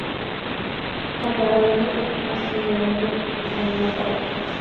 Comparando así al hombre con una papa, Beckett logra uno de sus característicos efectos.